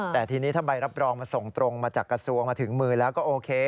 แต่ทีนี้ถ้าใบรับรองมันส่งตรงมาจากกระทรวงมาถึงมือแล้วก็โอเค